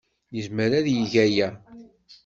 Yezmer ad yeg aya.